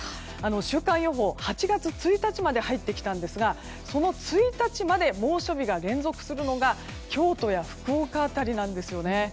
週間予報、８月１日まで入ってきたんですがその１日まで猛暑日が連続するのが京都や福岡辺りなんですよね。